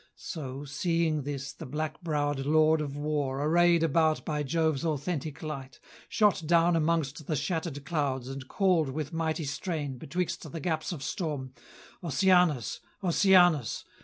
So, seeing this, the black browed lord of war, Arrayed about by Jove's authentic light, Shot down amongst the shattered clouds and called With mighty strain, betwixt the gaps of storm "Oceanus! Oceanus!"